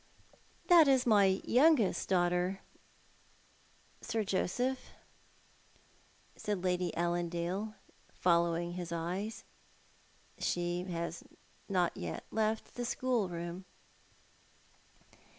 " That is my youngest daughter. Sir Joseph," said Lady Allandale, following his eyes. " She has not yet left the school room."